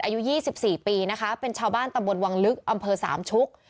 อายุ๒๔ปีนะคะเป็นชาวบ้านตำบลวังลึกอำเภอสามชุก